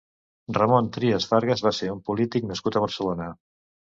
Ramon Trias Fargas va ser un polític nascut a Barcelona.